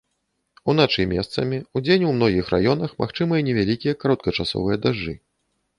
Уначы месцамі, удзень у многіх раёнах магчымыя невялікія кароткачасовыя дажджы.